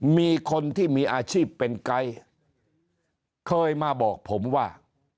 มีคนที่มีอาชีพเป็นไกด์เคยมาบอกผมว่า